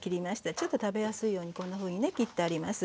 ちょっと食べやすいようにこんなふうにね切ってあります。